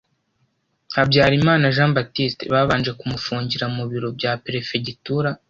habyarimana jean baptiste babanje kumufungira mu biro bya perefegitura